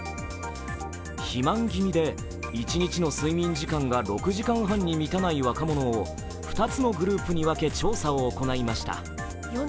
肥満気味で一日の睡眠時間が６時間半に満たない若者を２つのグループに分け調査を行いました。